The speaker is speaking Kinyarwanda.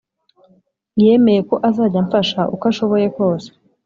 yemeye ko azajya amfasha uko ashoboye kose